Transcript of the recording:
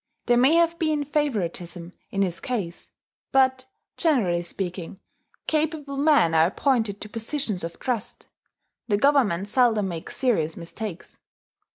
There may have been favouritism in his case; but, generally speaking, capable men are appointed to positions of trust: the Government seldom makes serious mistakes.